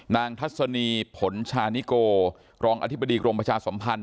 ทัศนีผลชานิโกรองอธิบดีกรมประชาสมพันธ